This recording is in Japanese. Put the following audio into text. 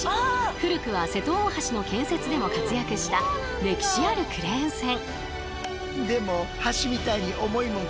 古くは瀬戸大橋の建設でも活躍した歴史あるクレーン船。